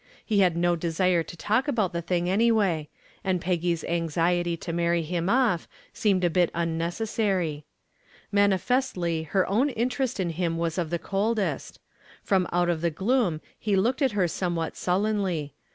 He had no desire to talk about the thing anyway, and Peggy's anxiety to marry him off seemed a bit unnecessary. Manifestly her own interest in him was of the coldest. From out of the gloom he looked at her somewhat sullenly.